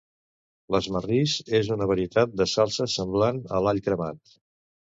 L'asmarris és una varietat de salsa semblant a l'all cremat